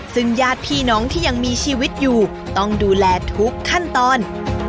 ซึ่งญาติพี่น้องที่ยังมีชีวิตอยู่ต้องดูแลทุกขั้นตอน